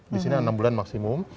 di sini enam bulan maksimum